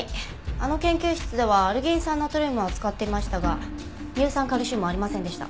あの研究室ではアルギン酸ナトリウムは使っていましたが乳酸カルシウムはありませんでした。